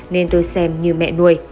nên tôi xem như mẹ nuôi